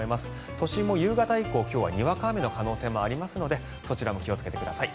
都心は今日、夕方以降にわか雨の可能性もありますのでそちらも気をつけてください。